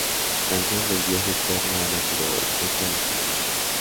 Canción del Dios eterno ha nacido hoy, letra en español.